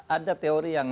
ada teori yang